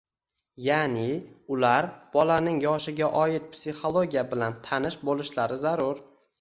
ya’ni ular bolaning yoshiga oid psixologiya bilan tanish bo‘lishlari zarur.